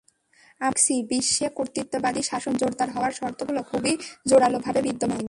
আমরা দেখছি বিশ্বে কর্তৃত্ববাদী শাসন জোরদার হওয়ার শর্তগুলো খুবই জোরালোভাবে বিদ্যমান।